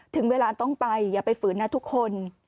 ถึงเวลาต้องไปอย่าไปฝืนนะทุกคน